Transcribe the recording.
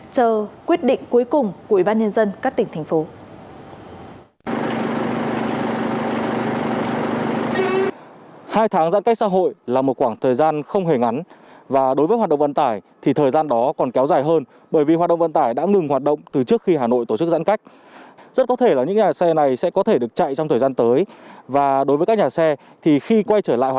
của bản nhân dân các tỉnh thành phố